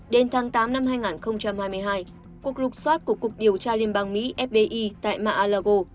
đến tháng tám năm hai nghìn hai mươi hai cuộc lục soát của cục điều tra liên bang mỹ fbi tại mar a lago